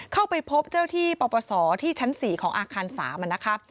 เข้าไปพบเจ้าที่ปปศที่ชั้น๔ของอาคาร๓นะคะ